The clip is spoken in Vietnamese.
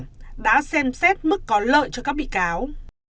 tòa đã xem xét mức có lợi cho các bị cáo